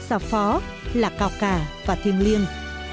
già phó là cao cả và thiêng liêng